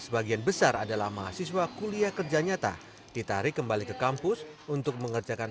sebagian besar adalah mahasiswa kuliah kerja nyata ditarik kembali ke kampus untuk mengerjakan